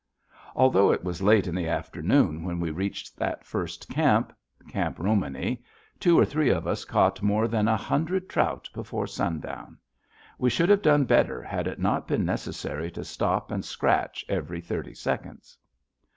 Although it was late in the afternoon when we reached that first camp, Camp Romany, two or three of us caught more than a hundred trout before sundown. We should have done better had it not been necessary to stop and scratch every thirty seconds.